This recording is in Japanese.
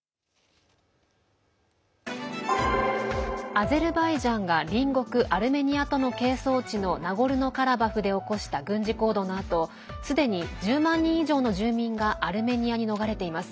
アゼルバイジャンが隣国アルメニアとの係争地のナゴルノカラバフで起こした軍事行動のあとすでに１０万人以上の住民がアルメニアに逃れています。